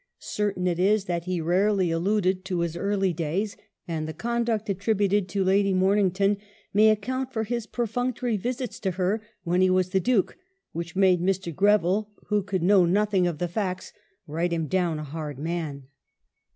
Certam it is that he rarely alluded to his early days, and the conduct attributed to Lady Mornington may account for his perfunctory visits to her when he was " the Duke," which made Mr. Greville, who could know nothing of the facts, write him down a hard man.